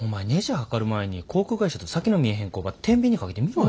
量る前に航空会社と先の見えへん工場てんびんにかけてみろや。